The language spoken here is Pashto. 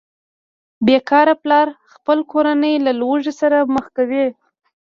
بې کاره پلار خپله کورنۍ له لوږې سره مخ کوي